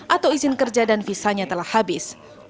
atau izin kerja dan visanya telah habis